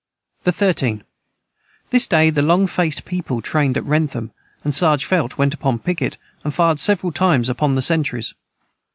the 13. This day the Long faced People trained at Wrentham and Serg Felt went upon the piquet and fired several times upon the centrys.